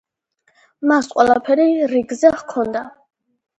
მას ყველაფერი რიგზე ჰქონდა.